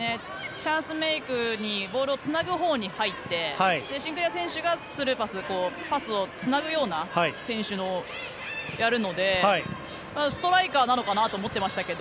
チャンスメイクにボールをつなぐほうに入ってシンクレア選手がスルーパスでパスでつなくということをやるのでストライカーなのかなと思ってましたけど